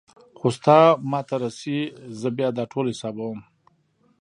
خو ستا ما ته رسي زه بيا دا ټول حسابوم.